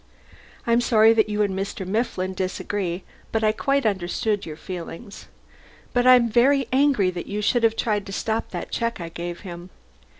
I'm sorry that you and Mr. Mifflin disagreed but I quite understood your feelings. But I'm very angry that you should have tried to stop that check I gave him.